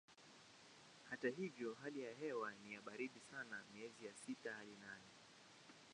Hata hivyo hali ya hewa ni ya baridi sana miezi ya sita hadi nane.